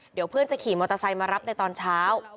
เดี๋ยวเพื่อนจะขี่มอเตอร์ไซค์มารับในตอนเช้า